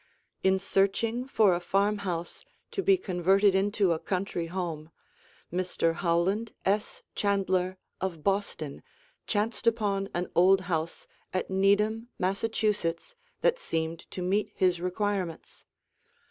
In searching for a farmhouse to be converted into a country home, Mr. Howland S. Chandler of Boston chanced upon an old house at Needham, Massachusetts, that seemed to meet his requirements.